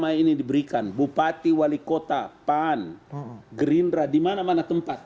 selama ini diberikan bupati wali kota pan gerindra di mana mana tempat